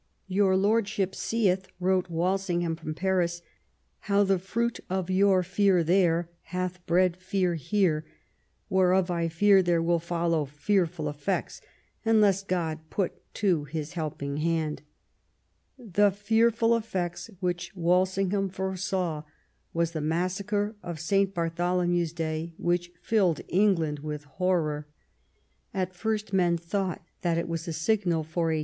Your Lordship seeth,*' wrote Wal singham from Paris, " how the fruit of your fear there hath bred fear here : whereof I fear there will follow fearful effects, unless God put to His helping hand.'* The "fearful effects," which Walsingham foresaw, was the massacre of St. Bartholomew's Day, which filled England with horror. At first men thought that it was a signal for a 148 QUEEN ELIZABETH.